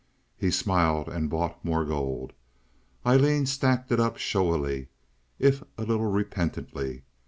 He smiled and bought more gold. Aileen stacked it up showily, if a little repentantly.